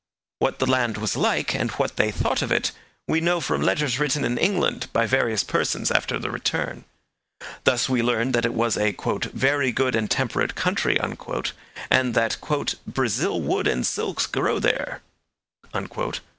What the land was like, and what they thought of it, we know from letters written in England by various persons after their return. Thus we learn that it was a 'very good and temperate country,' and that 'Brazil wood and silks grow there.'